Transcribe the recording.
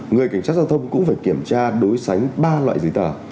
người cảnh sát giao thông cũng phải kiểm tra đối sánh ba loại giấy tờ